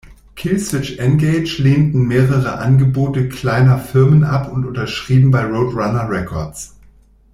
Killswitch Engage lehnten mehrere Angebote kleiner Firmen ab und unterschrieben bei Roadrunner Records.